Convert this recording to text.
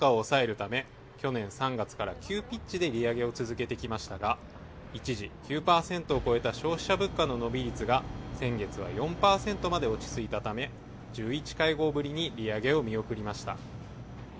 ＦＲＢは物価高を抑えるため、去年３月から急ピッチで利上げを続けてきましたが、一時９％を超えた消費者物価の伸び率が先月は４％まで落ちついたため、１１会合ぶりに利上げを見送りました。